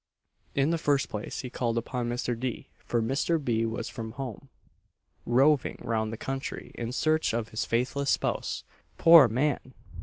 In the first place, he called upon Mr. D., for Mr. B. was from home roving round the country in search of his faithless spouse, poor man!